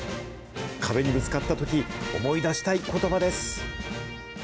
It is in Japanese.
壁にぶつかったとき、思い出したいことばです。